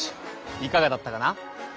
いかがだったかな？